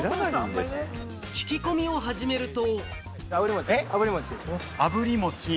聞き込みを始めると。